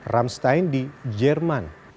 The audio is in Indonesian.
ramstein di jerman